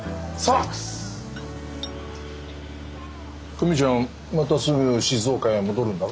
久美ちゃんまたすぐ静岡へ戻るんだろ？